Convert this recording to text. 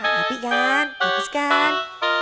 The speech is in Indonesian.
lepi kan bagus kan